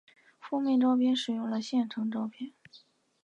封面照片使用了现成照片。